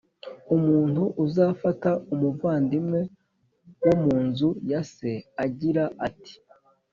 Umuntu azafata umuvandimwe wo mu nzu ya se, agira ati